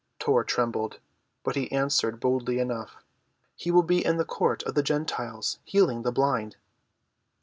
Tor trembled, but he answered boldly enough. "He will be in the court of the Gentiles healing the blind."